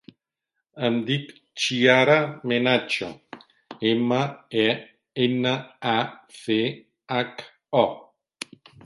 Em dic Chiara Menacho: ema, e, ena, a, ce, hac, o.